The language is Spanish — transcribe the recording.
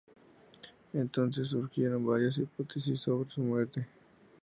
Entonces surgieron varias hipótesis sobre su muerte.